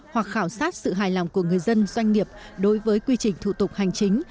hoặc khảo sát sự hài lòng của người dân doanh nghiệp đối với quy trình thủ tục hành chính